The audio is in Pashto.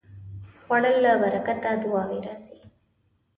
خوړل له برکته دعاوې راځي